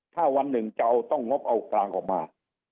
ถ้าวันหนึ่งจะเอาต้องงบเอากลางออกมา